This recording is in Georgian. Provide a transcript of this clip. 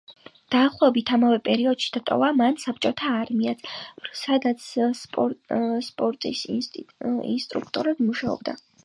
დაახლოებით ამავე პერიოდში დატოვა მან საბჭოთა არმიაც, სადაც სპორტის ინსტრუქტორად მუშაობდა.